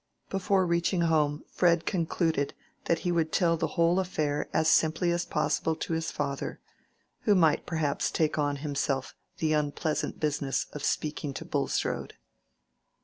Before reaching home, Fred concluded that he would tell the whole affair as simply as possible to his father, who might perhaps take on himself the unpleasant business of speaking to Bulstrode.